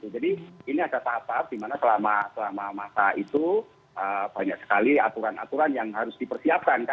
jadi ini ada tahap tahap di mana selama masa itu banyak sekali aturan aturan yang harus dipersiapkan